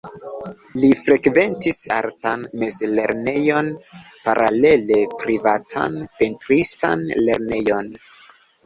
Li frekventis artan mezlernejon, paralele privatan pentristan lernejon.